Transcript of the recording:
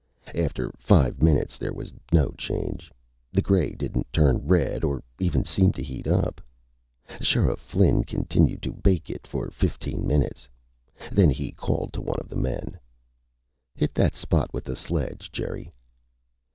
After five minutes, there was no change. The gray didn't turn red or even seem to heat up. Sheriff Flynn continued to bake it for fifteen minutes, then called to one of the men. "Hit that spot with the sledge, Jerry."